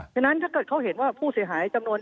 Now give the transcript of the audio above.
เพราะฉะนั้นถ้าเขาเห็นว่าผู้เสียหายจำนวน